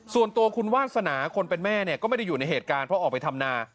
ส่วนตัวคุณวาสนาคนเป็นแม่เนี่ยก็ไม่ได้อยู่ในเหตุการณ์เพราะออกไปทำนา